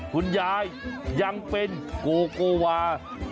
คุณยายยังเป็นโกโกวา